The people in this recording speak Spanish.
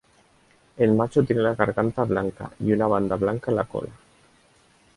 El macho tiene la garganta blanca y una banda blanca en la cola.